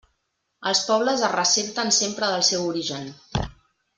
Els pobles es ressenten sempre del seu origen.